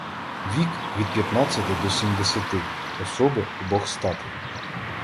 Вік — від п'ятнадцяти до сімдесяти; особи обох статей.